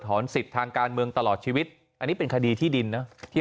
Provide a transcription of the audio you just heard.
สิทธิ์ทางการเมืองตลอดชีวิตอันนี้เป็นคดีที่ดินนะที่